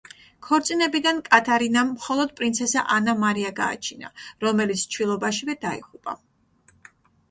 ქორწინებიდან კათარინამ მხოლოდ პრინცესა ანა მარია გააჩინა, რომელიც ჩვილობაშივე დაიღუპა.